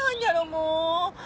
もう。